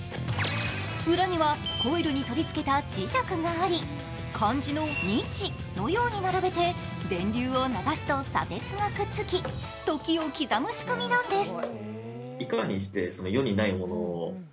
裏にはコイルに取り付けた磁石があり漢字の日のように並べて電流を流すと、砂鉄がくっつき、時を刻む仕組みなんです。